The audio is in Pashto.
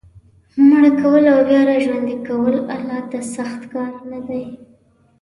مړه کول او بیا را ژوندي کول الله ته سخت کار نه دی.